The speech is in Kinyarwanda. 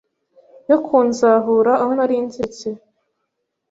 Yo kunzahura aho narinziritse